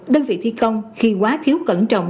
đơn vị thi công khi quá thiếu cẩn trọng